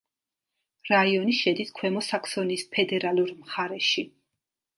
რაიონი შედის ქვემო საქსონიის ფედერალურ მხარეში.